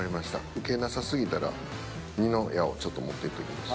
ウケなさ過ぎたら二の矢をちょっと持っていっときます。